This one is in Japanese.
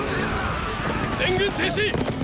全軍停止！！